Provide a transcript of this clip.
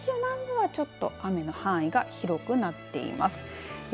九州南部はちょっと雨の範囲が広くなっています。